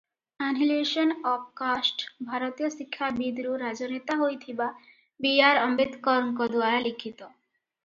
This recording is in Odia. ଆନିହିଲେସନ ଅଫ କାଷ୍ଟ ଭାରତୀୟ ଶିକ୍ଷାବିଦରୁ ରାଜନେତା ହୋଇଥିବା ବି. ଆର. ଆମ୍ବେଦକରଙ୍କଦ୍ୱାରା ଲିଖିତ ।